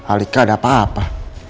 alika ada apa apa